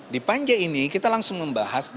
di panja ini kita langsung membahas besok malah